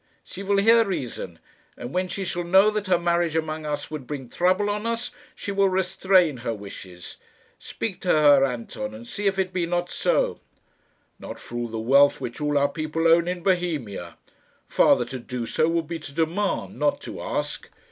She will hear reason; and when she shall know that her marriage among us would bring trouble on us, she will restrain her wishes. Speak to her, Anton, and see if it be not so." "Not for all the wealth which all our people own in Bohemia! Father, to do so would be to demand, not to ask.